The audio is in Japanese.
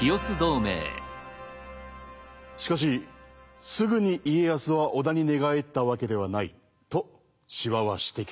しかしすぐに家康は織田に寝返ったわけではないと司馬は指摘する。